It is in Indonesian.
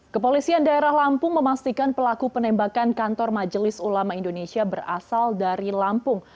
kepolisian daerah lampung memastikan pelaku penembakan kantor majelis ulama indonesia berasal dari lampung